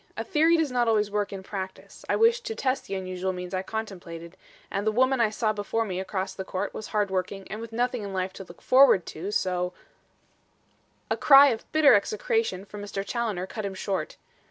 A theory does not always work in practice. I wished to test the unusual means I contemplated, and the woman I saw before me across the court was hard working and with nothing in life to look forward to, so " A cry of bitter execration from Mr. Challoner cut him short.